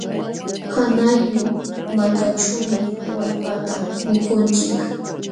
Qanqayllu malkaćhuumi wallpata mikunchik.